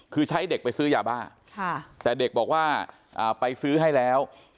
คือใช้เด็กไปซื้อยาบ้าแต่เด็กบอกว่าไปซื้อให้แล้ว